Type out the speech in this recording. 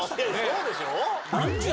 そうでしょう。